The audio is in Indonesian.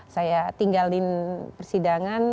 saya tinggalin persidangan